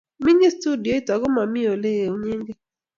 Mining studioit ago mami olegeunyege